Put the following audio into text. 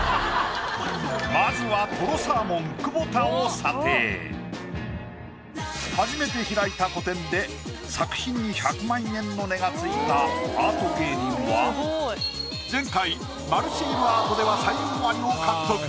まずは初めて開いた個展で作品に１００万円の値が付いたアート芸人は前回丸シールアートでは才能アリを獲得。